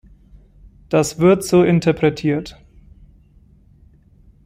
Das wird so interpretiert.